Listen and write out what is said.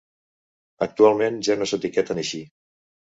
Actualment ja no s'etiqueten així.